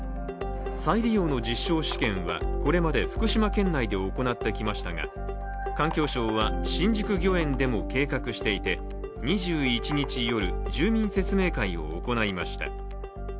再利用の実証試験はこれまで福島県内で行ってきましたが、環境省は新宿御苑でも計画していて２１日夜、住民説明会を行いました。